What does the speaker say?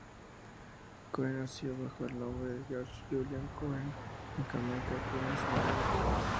Coe nació bajo el nombre de George Julian Cohen en Jamaica, Queens, Nueva York.